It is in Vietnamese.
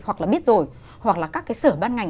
hoặc là biết rồi hoặc là các cái sở ban ngành